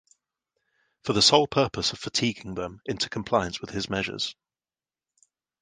for the sole purpose of fatiguing them into compliance with his measures.